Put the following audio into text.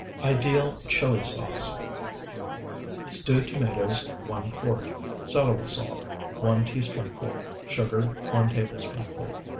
IDEAL CHILI SAUCE Stewed tomatoes, 1 quart. Celery salt, 1 teaspoonful. Sugar, 1 tablespoonful.